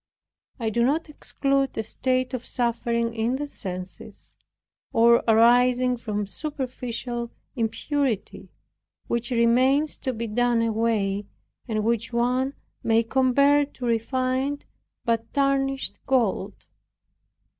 I do not exclude a state of suffering in the senses, or arising from superficial impurity, which remains to be done away, and which one may compare to refined but tarnished gold.